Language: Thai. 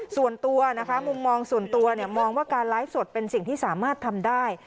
ส่วนตัวนะคะมุมมองส่วนตัวมองว่าการไลฟ์สดเป็นสิ่งที่สามารถทำได้